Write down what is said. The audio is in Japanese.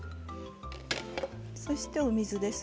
そしてお水です。